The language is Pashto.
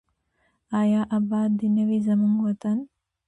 آیا اباد دې نه وي زموږ وطن؟